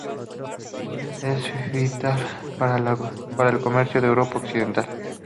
Es vital para el comercio de Europa Occidental.